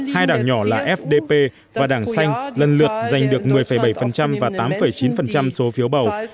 hai đảng nhỏ là fdp và đảng xanh lần lượt giành được một mươi bảy và tám chín số phiếu bầu